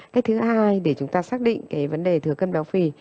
cách thứ hai để chúng ta xác định cái vấn đề thừa cân béo phì